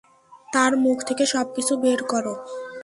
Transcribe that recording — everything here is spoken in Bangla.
তার মুখ থেকে সবকিছু বের করো।